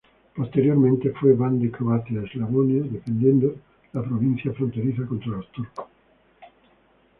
Posteriormente, fue Ban de Croacia-Eslavonia, defendiendo la provincia fronteriza contra los turcos.